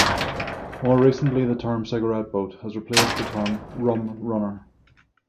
More recently the term "cigarette boat" has replaced the term "rum-runner".